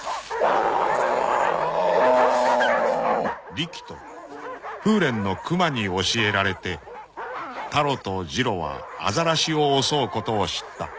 ［リキと風連のクマに教えられてタロとジロはアザラシを襲うことを知った］